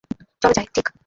চল যাই, ঠিক!